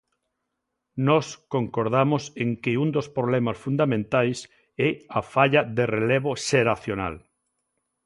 Nós concordamos en que un dos problemas fundamentais é a falla de relevo xeracional.